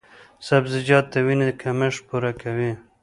سبزیجات د وینې کمښت پوره کوي۔